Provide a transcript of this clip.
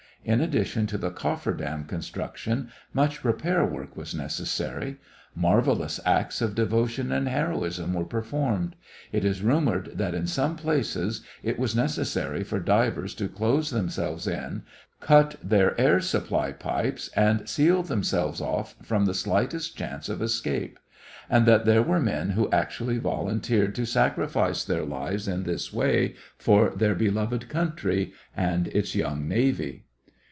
In addition to the coffer dam construction much repair work was necessary. Marvelous acts of devotion and heroism were performed. It is rumored that in some places it was necessary for divers to close themselves in, cut their air supply pipes and seal themselves off from the slightest chance of escape; and that there were men who actually volunteered to sacrifice their lives in this way for their beloved country and its young navy.